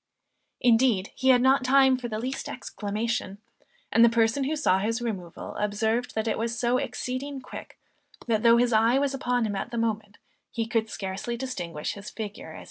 Indeed he had not time for the least exclamation; and the person who saw his removal, observed that it was so exceeding quick that though his eye was upon him at the moment, he could scarcely distinguish his figure as he disappeared.